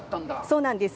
そうなんです。